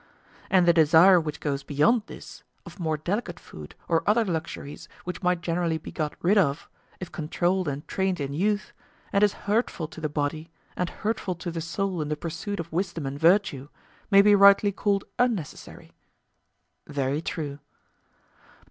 And the desire which goes beyond this, of more delicate food, or other luxuries, which might generally be got rid of, if controlled and trained in youth, and is hurtful to the body, and hurtful to the soul in the pursuit of wisdom and virtue, may be rightly called unnecessary? Very true.